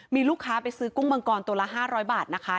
มีลูกค้าไปซื้อกุ้งมังกรตัวละ๕๐๐บาทนะคะ